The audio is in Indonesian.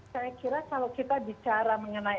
saya kira kalau kita bicara mengenai